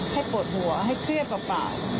ให้โปรดหัวให้เครื่องประปาด